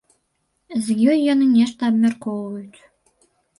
З ёй яны нешта абмяркоўваюць.